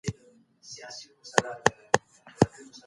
که پوهه زیاته سي فساد به ورک سي.